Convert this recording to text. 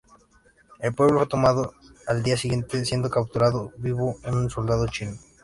El pueblo fue tomado al día siguiente, siendo capturado vivo un soldado chino.